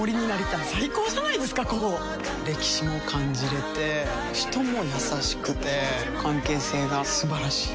歴史も感じれて人も優しくて関係性が素晴らしい。